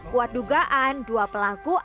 kuat dugaan dua pelaku